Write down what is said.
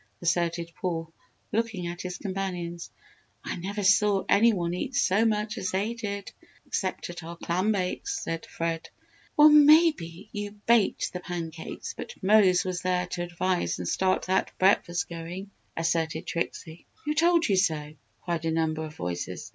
asserted Paul, looking at his companions. "I never saw any one eat so much as they did, except at our clam bakes," said Fred. "Well, maybe you baked the pan cakes but Mose was there to advise and start that breakfast going!" asserted Trixie. "Who told you so?" cried a number of voices.